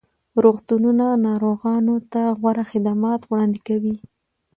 روغتونونه ناروغانو ته غوره خدمات وړاندې کوي.